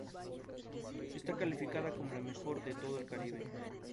Está calificada como la mejor de todo el Caribe.